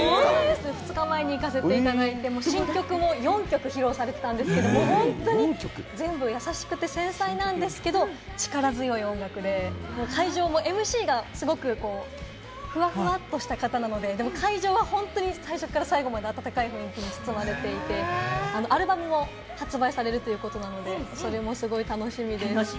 ２日前に行かせていただいて、新曲も４曲披露されてたんですけれど、本当に全部優しくて繊細なんですけれども、力強い音楽で会場もＭＣがすごくフワフワッとした方なので、会場は本当に最初から最後まで温かい雰囲気に包まれていて、アルバムも発売されるということなので、それもすごい楽しみです。